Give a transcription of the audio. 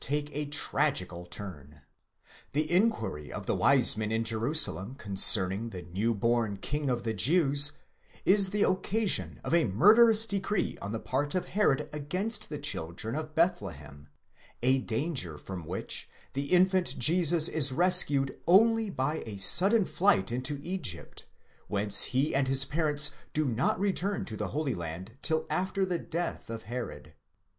163 men in Jerusalem concerning the new born King of the Jews, is the occasion of a murderous decree on the part of Herod against the children of Bethle hem, a danger from which the infant Jesus is rescued only by a sudden flight into Egypt, whence he and his parents do not return to the Holy Land till after the death of Herod.